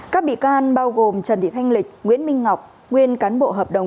các bị can bao gồm trần thị thanh lịch nguyễn minh ngọc nguyên cán bộ hợp đồng